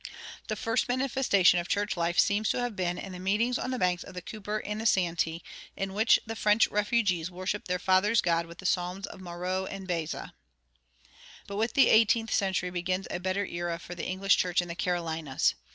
The first manifestation of church life seems to have been in the meetings on the banks of the Cooper and the Santee, in which the French refugees worshiped their fathers' God with the psalms of Marot and Beza. But with the eighteenth century begins a better era for the English church in the Carolinas.